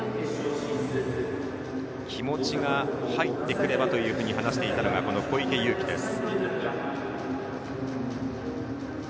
気持ちが入ってくればと話していたのがこの小池祐貴です。